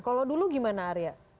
kalau dulu gimana area